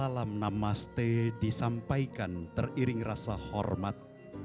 salam namaste disampaikan teriring rasa hormat